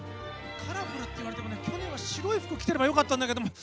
カラフルって言われても去年は白い服着てればよかったけど。